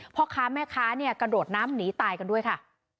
พ่อค้าแม่ค้าเนี่ยกระโดดน้ำหนีตายกันด้วยค่ะ